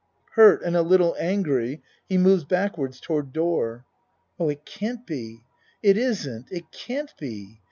(Hurt and a little angry he moves backwards toward door.) Oh it can't be it isn't it can't be!